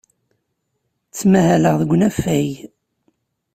Ttmahaleɣ deg unafag.